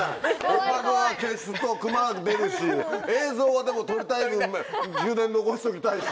音楽は消すと熊出るし映像はでも撮りたい分充電残しときたいし。